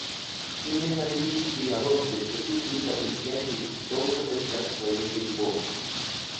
Именно ливийский народ, без каких-либо изъятий, должен решать свою судьбу.